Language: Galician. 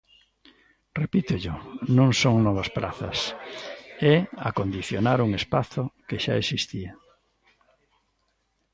Repítollo, non son novas prazas, é acondicionar un espazo que xa existía.